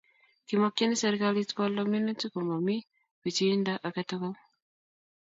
Kimakchini serikalit ko alda minutik ko mamie pichindo agetugul